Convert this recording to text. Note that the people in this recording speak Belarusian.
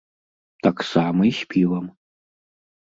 Таксама і з півам.